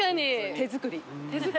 手作り。